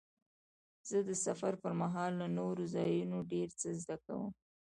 زه د سفر پر مهال له نوو ځایونو ډېر څه زده کوم.